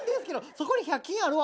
「そこに１００均あるわ！」